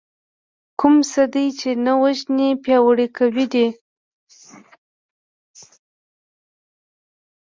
کوم څه دې چې نه وژنې پياوړي کوي دی .